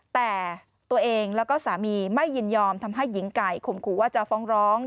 แต่ตัวเองแล้วก็สามีไม่ยินยอมทำให้หญิงไก่ข่มขู่ว่าจะฟ้องร้อง